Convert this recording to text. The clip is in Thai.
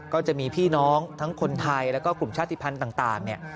ก็จะมีพี่น้องทั้งคนไทยแล้วก็กลุ่มชาติภัณฑ์ต่างเนี่ย